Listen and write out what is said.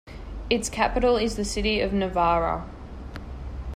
Its capital is the city of Novara.